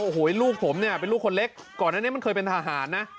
โอ้โหลูกผมเนี่ยเป็นลูกคนเล็กก่อนอันนี้มันเคยเป็นทหารนะ